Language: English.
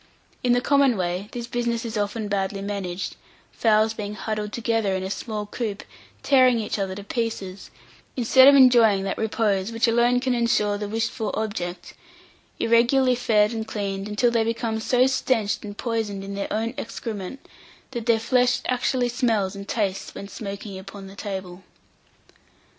In the common way this business is often badly managed, fowls being huddled together in a small coop, tearing each other to pieces, instead of enjoying that repose which alone can insure, the wished for object irregularly fed and cleaned, until they become so stenched and poisoned in their own excrement, that their flesh actually smells and tastes when smoking upon the table."